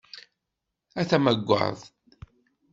A tamagadt!